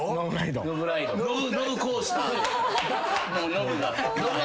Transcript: ノブが。